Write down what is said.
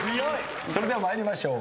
それでは参りましょう。